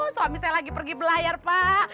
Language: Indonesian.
suami saya lagi pergi belayar pak